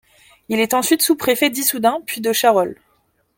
Il est ensuite sous-préfet d'Issoudun puis de Charolles.